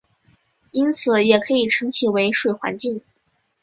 因此也可以称其为水环境。